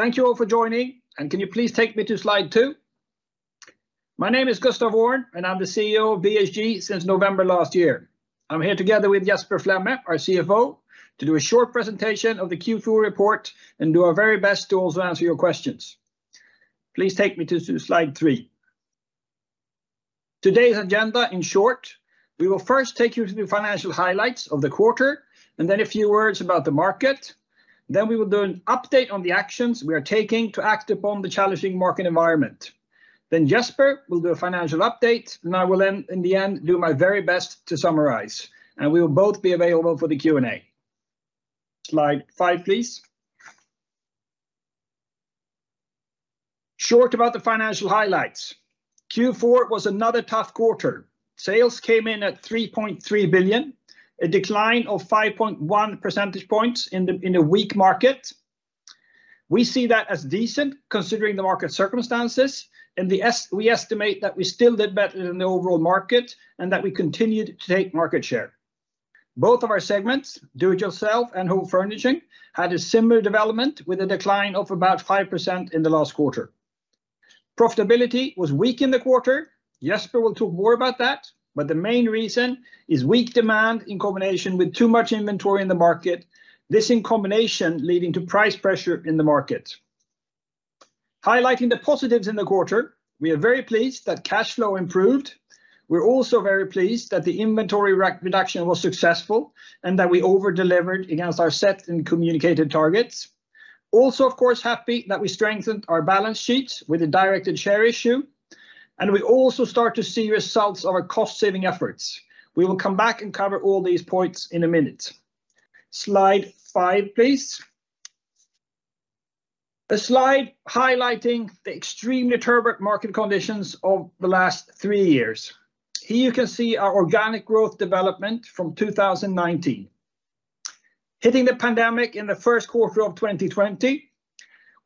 Thank you all for joining. Can you please take me to slide two? My name is Gustaf Öhrn. I'm the CEO of BHG since November last year. I'm here together with Jesper Flemme, our CFO, to do a short presentation of the Q4 report and do our very best to also answer your questions. Please take me to slide three. Today's agenda in short, we will first take you to the financial highlights of the quarter and then a few words about the market. We will do an update on the actions we are taking to act upon the challenging market environment. Jesper will do a financial update, and I will then, in the end, do my very best to summarize, and we will both be available for the Q&A. Slide 5, please. Short about the financial highlights. Q4 was another tough quarter. Sales came in at 3.3 billion, a decline of 5.1 percentage points in the weak market. We see that as decent considering the market circumstances and we estimate that we still did better than the overall market and that we continued to take market share. Both of our segments, do it yourself and home furnishing, had a similar development with a decline of about 5% in the last quarter. Profitability was weak in the quarter. Jesper will talk more about that, but the main reason is weak demand in combination with too much inventory in the market. This in combination leading to price pressure in the market. Highlighting the positives in the quarter, we are very pleased that cash flow improved. We're also very pleased that the inventory re-reduction was successful and that we over-delivered against our set and communicated targets. Of course, happy that we strengthened our balance sheet with a directed share issue, we also start to see results of our cost-saving efforts. We will come back and cover all these points in a minute. Slide five, please. A slide highlighting the extreme disturbed market conditions of the last three years. Here you can see our organic growth development from 2019. Hitting the pandemic in the 1st quarter of 2020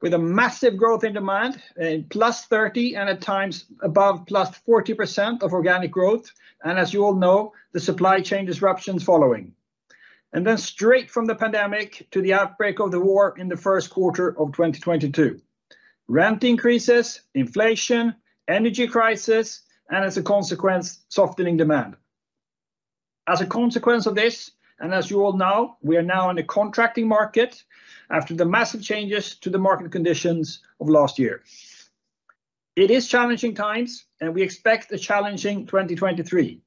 with a massive growth in demand in +30% and at times above +40% of organic growth and as you all know, the supply chain disruptions following. Then straight from the pandemic to the outbreak of the war in the 1st quarter of 2022, rent increases, inflation, energy crisis, and as a consequence, softening demand. As a consequence of this, as you all know, we are now in a contracting market after the massive changes to the market conditions of last year. It is challenging times. We expect a challenging 2023,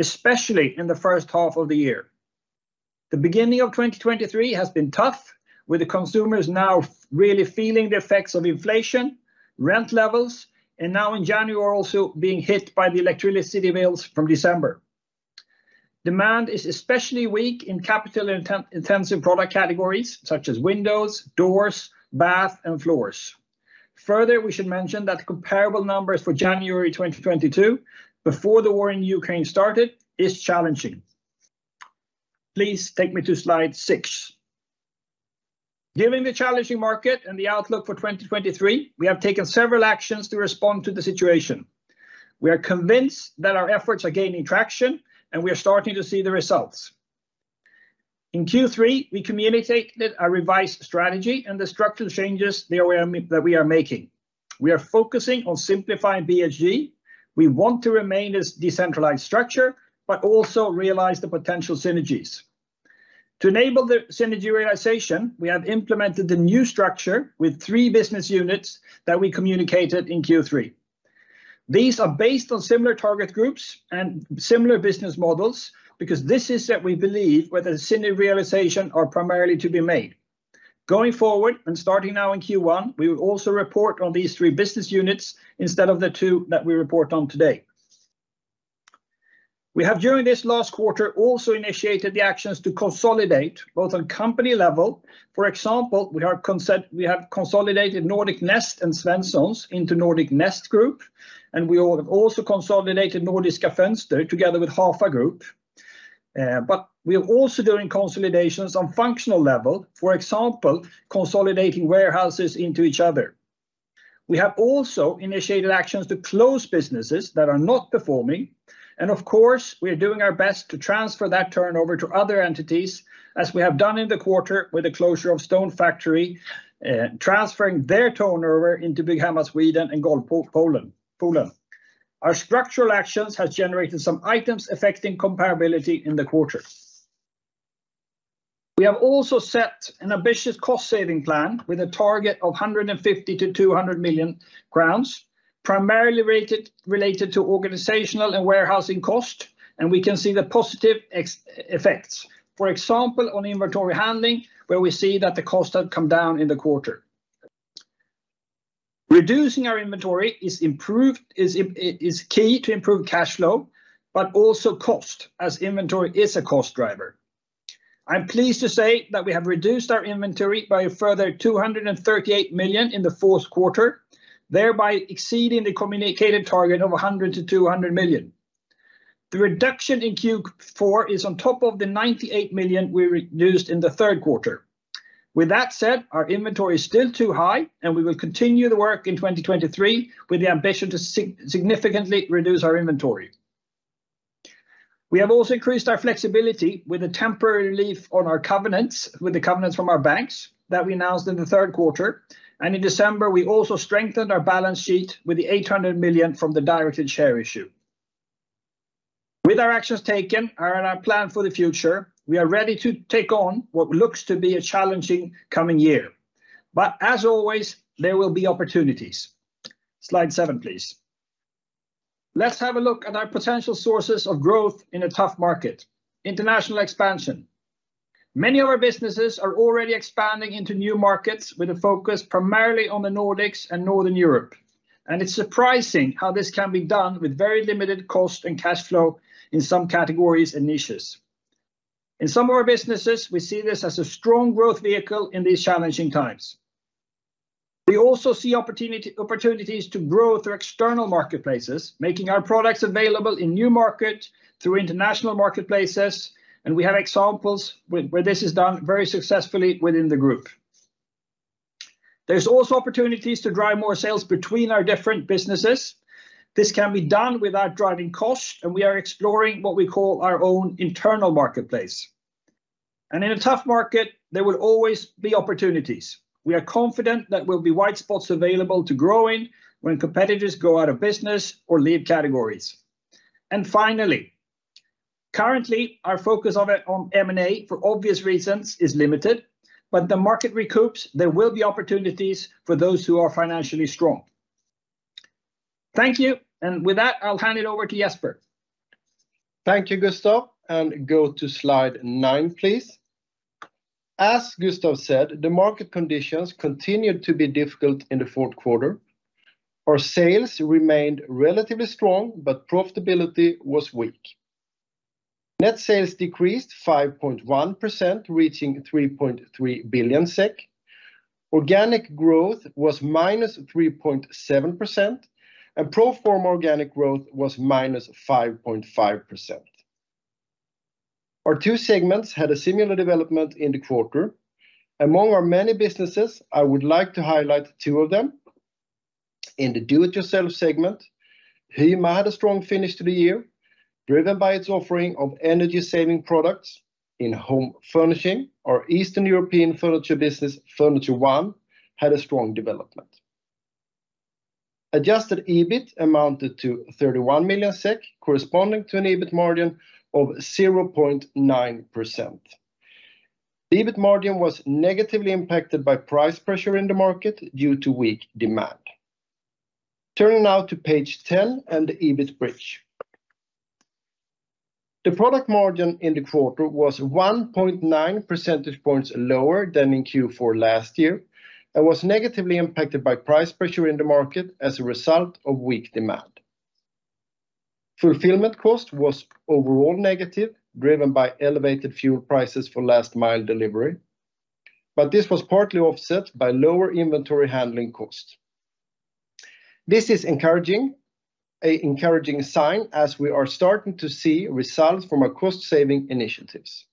especially in the first half of the year. The beginning of 2023 has been tough, with the consumers now really feeling the effects of inflation, rent levels, and now in January, also being hit by the electricity bills from December. Demand is especially weak in capital intensive product categories such as windows, doors, bath, and floors. We should mention that comparable numbers for January 2022, before the war in Ukraine started, is challenging. Please take me to slide six. Given the challenging market and the outlook for 2023, we have taken several actions to respond to the situation. We are convinced that our efforts are gaining traction, and we are starting to see the results. In Q3, we communicated a revised strategy and the structural changes that we are making. We are focusing on simplifying BHG. We want to remain as decentralized structure but also realize the potential synergies. To enable the synergy realization, we have implemented the new structure with three business units that we communicated in Q3. These are based on similar target groups and similar business models because this is that we believe where the synergy realization are primarily to be made. Going forward and starting now in Q1, we will also report on these three business units instead of the two that we report on today. We have, during this last quarter, also initiated the actions to consolidate both on company level. For example, we have consolidated Nordic Nest and Svenssons into Nordic Nest Group. We all have also consolidated Nordiska Fönster together with Hafa Group. We are also doing consolidations on functional level, for example, consolidating warehouses into each other. We have also initiated actions to close businesses that are not performing. Of course, we are doing our best to transfer that turnover to other entities, as we have done in the quarter with the closure of Stone Factory, transferring their turnover into Byggmax Sweden and Golvpoolen. Our structural actions has generated some items affecting comparability in the quarter. We have also set an ambitious cost-saving plan with a target of 150 million SEK-200 million SEK, primarily related to organizational and warehousing cost, and we can see the positive effects. For example, on inventory handling, where we see that the cost had come down in the quarter. Reducing our inventory is improved, is key to improve cash flow but also cost, as inventory is a cost driver. I'm pleased to say that we have reduced our inventory by a further 238 million in the fourth quarter, thereby exceeding the communicated target of 100 million-200 million. The reduction in Q4 is on top of the 98 million we reduced in the third quarter. That said, our inventory is still too high, and we will continue the work in 2023 with the ambition to significantly reduce our inventory. We have also increased our flexibility with a temporary relief on our covenants, with the covenants from our banks that we announced in the third quarter. In December, we also strengthened our balance sheet with the 800 million from the directed share issue. With our actions taken and our plan for the future, we are ready to take on what looks to be a challenging coming year. As always, there will be opportunities. Slide seven, please. Let's have a look at our potential sources of growth in a tough market. International expansion. Many of our businesses are already expanding into new markets with a focus primarily on the Nordics and Northern Europe. It's surprising how this can be done with very limited cost and cash flow in some categories and niches. In some of our businesses, we see this as a strong growth vehicle in these challenging times. We also see opportunities to grow through external marketplaces, making our products available in new market through international marketplaces. We have examples where this is done very successfully within the BHG Group. There's also opportunities to drive more sales between our different businesses. This can be done without driving costs, and we are exploring what we call our own internal marketplace. In a tough market, there will always be opportunities. We are confident that there will be white spots available to grow in when competitors go out of business or leave categories. Finally, currently, our focus on M&A, for obvious reasons, is limited. When the market recoups, there will be opportunities for those who are financially strong. Thank you. With that, I'll hand it over to Jesper. Thank you, Gustaf Go to slide nine please. As Gustaf said, the market conditions continued to be difficult in the fourth quarter. Our sales remained relatively strong. Profitability was weak. Net sales decreased 5.1%, reaching 3.3 billion SEK. Organic growth was -3.7%, and pro forma organic growth was -5.5%. Our two segments had a similar development in the quarter. Among our many businesses, I would like to highlight two of them. In the do-it-yourself segment, Heima had a strong finish to the year, driven by its offering of energy-saving products in home furnishing. Our Eastern European furniture business, Furniture one, had a strong development. Adjusted EBIT amounted to 31 million SEK, corresponding to an EBIT margin of 0.9%. The EBIT margin was negatively impacted by price pressure in the market due to weak demand. Turning now to page 10 and the EBIT bridge. The product margin in the quarter was 1.9 percentage points lower than in Q4 last year and was negatively impacted by price pressure in the market as a result of weak demand. Fulfillment cost was overall negative, driven by elevated fuel prices for last mile delivery, but this was partly offset by lower inventory handling cost. This is a encouraging sign as we are starting to see results from our cost saving initiatives.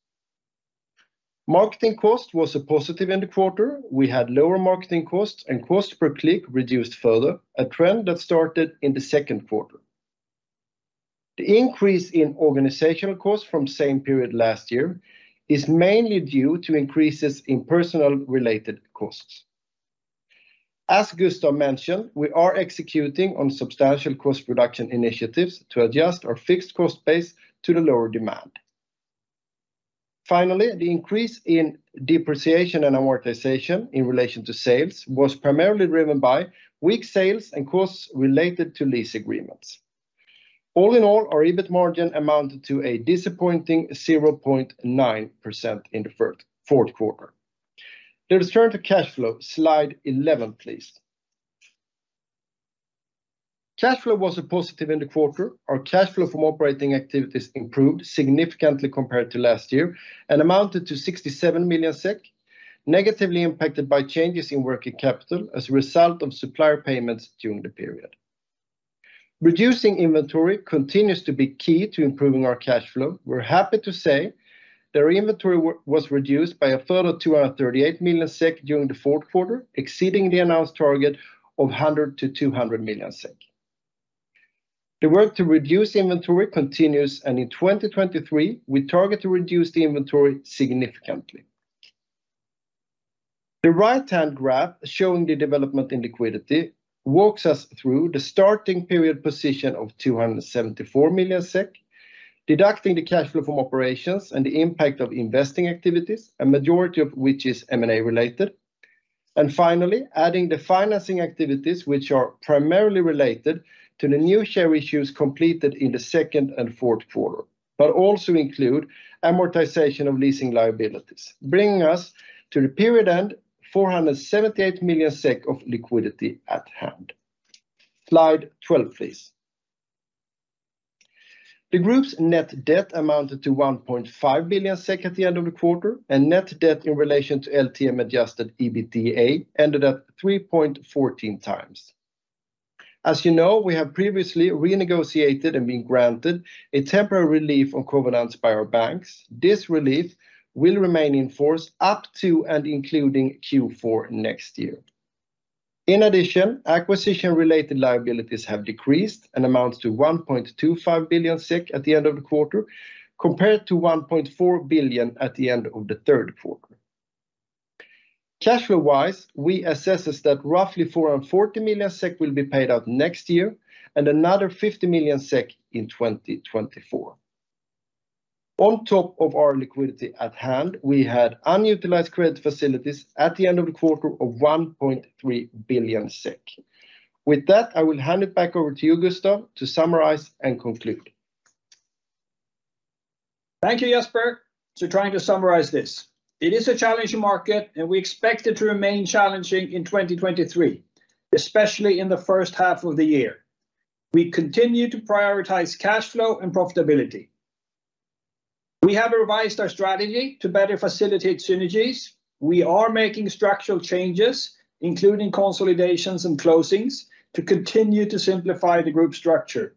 Marketing cost was a positive in the quarter. We had lower marketing costs and cost per click reduced further, a trend that started in the second quarter. The increase in organizational costs from same period last year is mainly due to increases in personal related costs. As Gustaf mentioned, we are executing on substantial cost reduction initiatives to adjust our fixed cost base to the lower demand. The increase in depreciation and amortization in relation to sales was primarily driven by weak sales and costs related to lease agreements. Our EBIT margin amounted to a disappointing 0.9% in the fourth quarter. Let us turn to cash flow. Slide 11, please. Cash flow was a positive in the quarter. Our cash flow from operating activities improved significantly compared to last year and amounted to 67 million SEK, negatively impacted by changes in working capital as a result of supplier payments during the period. Reducing inventory continues to be key to improving our cash flow. We're happy to say that our inventory was reduced by a further 238 million SEK during the fourth quarter, exceeding the announced target of 100 million-200 million SEK. The work to reduce inventory continues, and in 2023, we target to reduce the inventory significantly. The right-hand graph showing the development in liquidity walks us through the starting period position of 274 million SEK, deducting the cash flow from operations and the impact of investing activities, a majority of which is M&A related. Finally, adding the financing activities, which are primarily related to the new share issues completed in the second and fourth quarter, but also include amortization of leasing liabilities, bringing us to the period end 478 million SEK of liquidity at hand. Slide 12, please. The group's net debt amounted to 1.5 billion SEK at the end of the quarter, and net debt in relation to LTM adjusted EBITDA ended at 3.14x. As you know, we have previously renegotiated and been granted a temporary relief on covenants by our banks. This relief will remain in force up to and including Q4 next year. In addition, acquisition-related liabilities have decreased and amounts to 1.25 billion SEK at the end of the quarter compared to 1.4 billion SEK at the end of the third quarter. Cashflow-wise, we assesses that roughly 440 million SEK will be paid out next year and another 50 million SEK in 2024. On top of our liquidity at hand, we had unutilized credit facilities at the end of the quarter of 1.3 billion SEK.With that, I will hand it back over to you, Gustaf, to summarize and conclude. Thank you, Jesper. Trying to summarize this, it is a challenging market, and we expect it to remain challenging in 2023, especially in the first half of the year. We continue to prioritize cashflow and profitability. We have revised our strategy to better facilitate synergies. We are making structural changes, including consolidations and closings, to continue to simplify the group structure.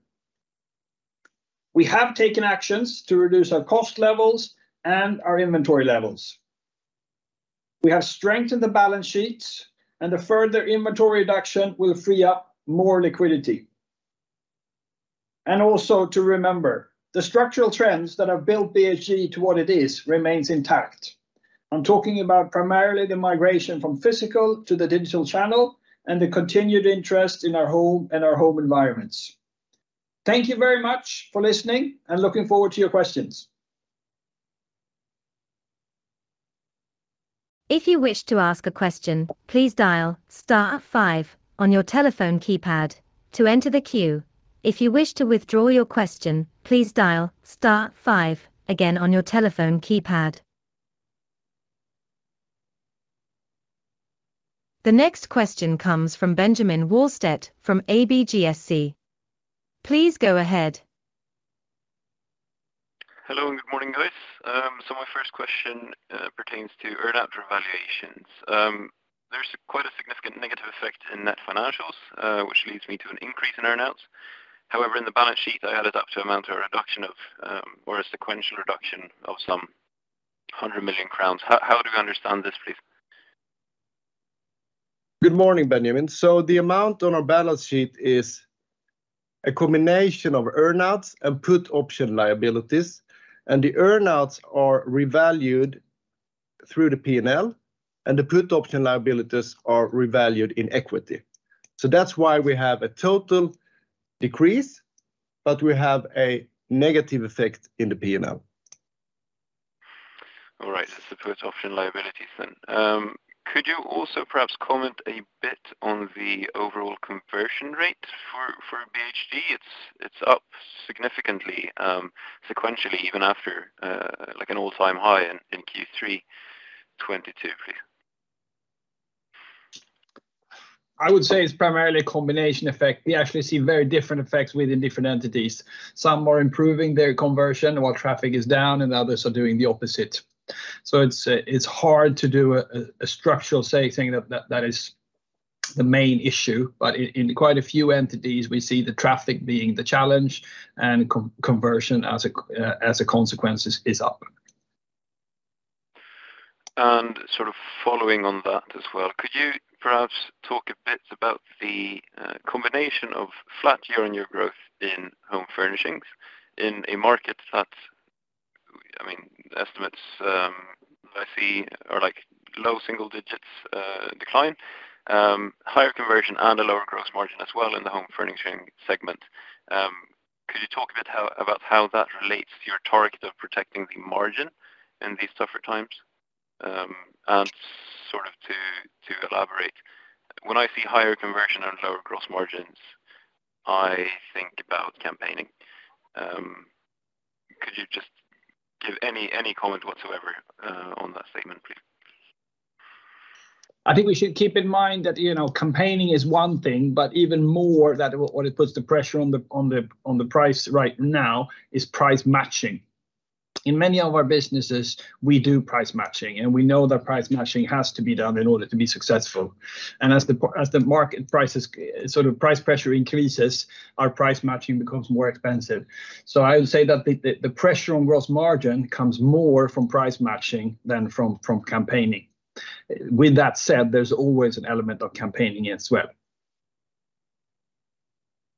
We have taken actions to reduce our cost levels and our inventory levels. We have strengthened the balance sheets, and the further inventory reduction will free up more liquidity. Also to remember, the structural trends that have built BHG to what it is remains intact. I'm talking about primarily the migration from physical to the digital channel and the continued interest in our home and our home environments. Thank you very much for listening and looking forward to your questions. If you wish to ask a question, please dial star five on your telephone keypad to enter the queue. If you wish to withdraw your question, please dial star five again on your telephone keypad. The next question comes from Benjamin Wahlstedt from ABGSC. Please go ahead. Hello, and good morning, guys. My first question pertains to earnout revaluations. There's quite a significant negative effect in net financials, which leads me to an increase in earnouts. However, in the balance sheet, I added up to amount a reduction of, or a sequential reduction of some 100 million crowns. How do we understand this, please? Good morning, Benjamin. The amount on our balance sheet is a combination of earnouts and put option liabilities, and the earnouts are revalued through the P&L, and the put option liabilities are revalued in equity. That's why we have a total decrease, but we have a negative effect in the P&L. It's the put option liabilities then. Could you also perhaps comment a bit on the overall conversion rate for BHG? It's up significantly, sequentially even after like an all-time high in Q3 2022, please. I would say it's primarily a combination effect. We actually see very different effects within different entities. Some are improving their conversion while traffic is down, and others are doing the opposite. It's hard to do a structural saying that that is the main issue. In quite a few entities, we see the traffic being the challenge and conversion as a consequence is up. Sort of following on that as well, could you perhaps talk a bit about the combination of flat year-on-year growth in home furnishings in a market that's, I mean, estimates I see are like low single-digit decline, higher conversion and a lower gross margin as well in the home furnishings segment. Could you talk a bit about how that relates to your target of protecting the margin in these tougher times? Sort of to elaborate, when I see higher conversion and lower gross margins, I think about campaigning. Could you just give any comment whatsoever on that statement, please? I think we should keep in mind that, you know, campaigning is one thing, but even more that what it puts the pressure on the price right now is price matching. In many of our businesses, we do price matching, and we know that price matching has to be done in order to be successful. As the market prices, sort of price pressure increases, our price matching becomes more expensive. I would say that the pressure on gross margin comes more from price matching than from campaigning. With that said, there's always an element of campaigning as well.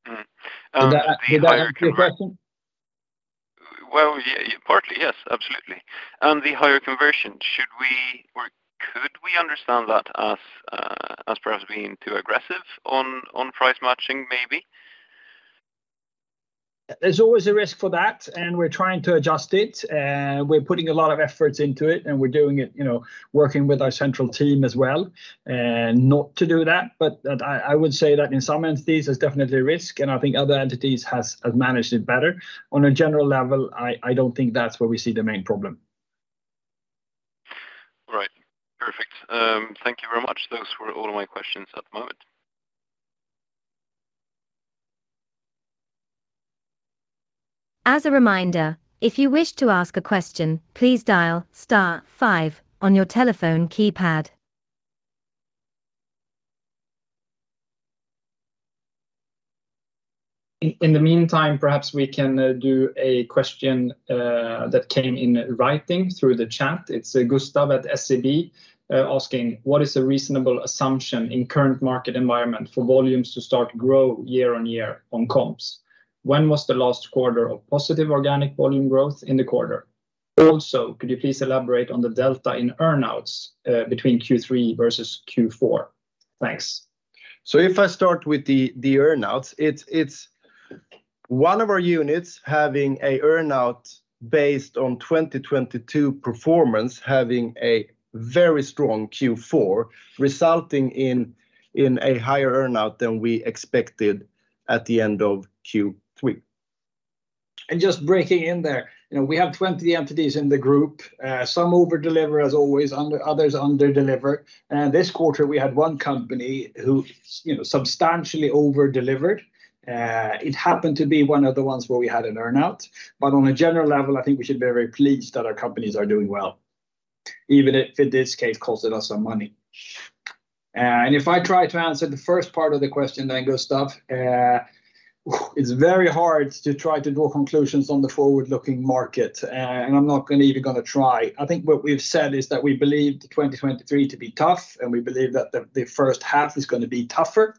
Did that answer your question? Well, yeah, partly, yes. Absolutely. The higher conversion, should we or could we understand that as perhaps being too aggressive on price matching, maybe? There's always a risk for that, and we're trying to adjust it. We're putting a lot of efforts into it, and we're doing it, you know, working with our central team as well, not to do that. I would say that in some entities, there's definitely a risk, and I think other entities have managed it better. On a general level, I don't think that's where we see the main problem. All right. Perfect. Thank you very much. Those were all my questions at the moment. As a reminder, if you wish to ask a question, please dial star five on your telephone keypad. In the meantime, perhaps we can do a question that came in writing through the chat. It's Gustav at SEB asking: What is a reasonable assumption in current market environment for volumes to start grow year-on-year on comps? When was the last quarter of positive organic volume growth in the quarter? Also, could you please elaborate on the delta in earn-outs between Q3 versus Q4? Thanks. If I start with the earn outs, it's one of our units having a earn out based on 2022 performance having a very strong Q4, resulting in a higher earn out than we expected at the end of Q3. Just breaking in there. You know, we have 20 entities in the group. Some over-deliver, as always, others under-deliver. This quarter we had 1 company who you know, substantially over-delivered. It happened to be one of the ones where we had an earn out. On a general level, I think we should be very pleased that our companies are doing well, even if in this case, costed us some money. If I try to answer the first part of the question then, Gustav, it's very hard to try to draw conclusions on the forward-looking market. I'm not gonna even gonna try. I think what we've said is that we believed 2023 to be tough, and we believe that the first half is gonna be tougher.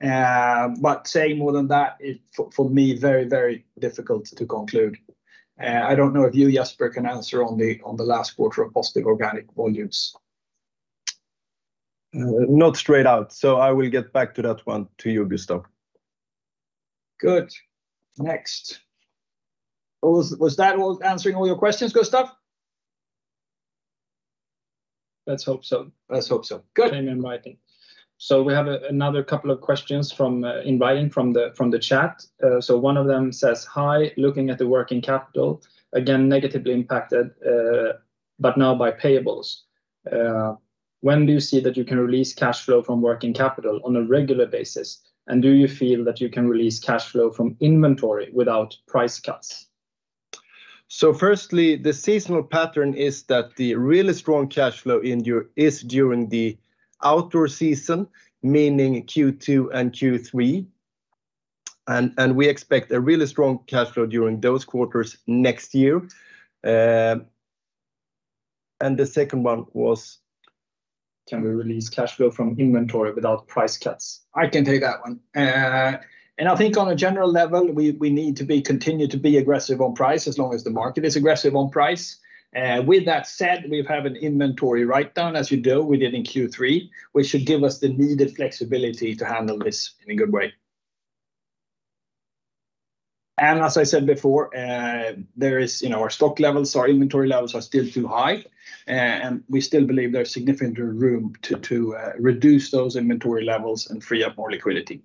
Saying more than that is for me, very, very difficult to conclude. I don't know if you, Jesper, can answer on the last quarter of positive organic volumes. Not straight out, so I will get back to that one to you, Gustav. Good. Next. Was that all answering all your questions, Gustav? Let's hope so. Let's hope so. Good. Came in writing. We have another couple of questions from in writing from the chat. One of them says: "Hi, looking at the working capital, again negatively impacted, but now by payables. When do you see that you can release cashflow from working capital on a regular basis? And do you feel that you can release cashflow from inventory without price cuts? Firstly, the seasonal pattern is that the really strong cashflow is during the outdoor season, meaning Q2 and Q3. We expect a really strong cashflow during those quarters next year. The second one was? Can we release cashflow from inventory without price cuts? I can take that one. I think on a general level, we need to be continue to be aggressive on price as long as the market is aggressive on price. With that said, we have an inventory write-down, as you do, we did in Q3, which should give us the needed flexibility to handle this in a good way. As I said before, there is, you know, our stock levels, our inventory levels are still too high. We still believe there's significant room to reduce those inventory levels and free up more liquidity.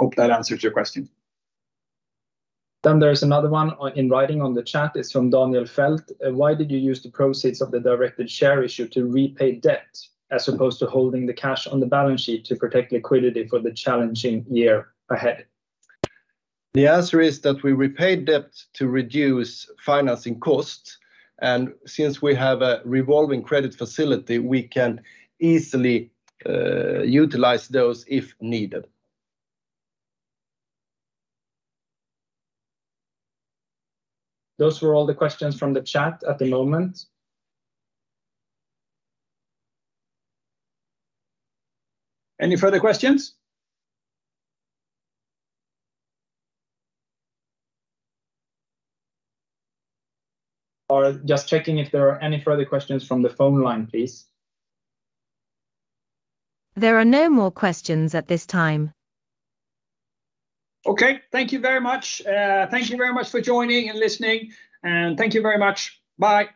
Hope that answers your question. There is another one on, in writing on the chat. It's from Daniel Fält. Why did you use the proceeds of the directed share issue to repay debt as opposed to holding the cash on the balance sheet to protect liquidity for the challenging year ahead? The answer is that we repaid debt to reduce financing costs. Since we have a revolving credit facility, we can easily utilize those if needed. Those were all the questions from the chat at the moment. Any further questions? Just checking if there are any further questions from the phone line, please. There are no more questions at this time. Okay. Thank you very much. Thank you very much for joining and listening. Thank you very much. Bye.